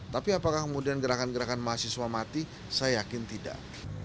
tapi apakah kemudian gerakan gerakan mahasiswa mati saya yakin tidak